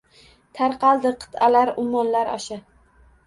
Tarqaldi qit’alar, ummonlar osha.